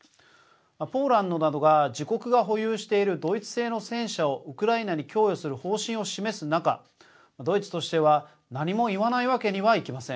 ポーランドなどが自国が保有しているドイツ製の戦車をウクライナに供与する方針を示す中ドイツとしては何も言わないわけにはいきません。